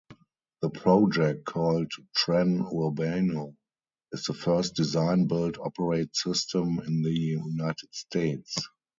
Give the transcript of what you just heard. The project, called Tren Urbano, is the first design-build-operate system in the United States.